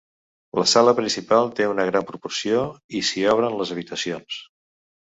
La sala principal té una gran proporció i s'hi obren les habitacions.